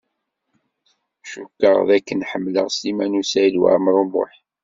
Cukkeɣ d akken ḥemmleɣ Sliman U Saɛid Waɛmaṛ U Muḥ.